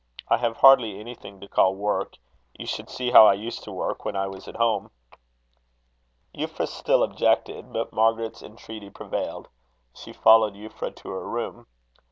I have hardly anything to call work. You should see how I used to work when I was at home." Euphra still objected, but Margaret's entreaty prevailed. She followed Euphra to her room.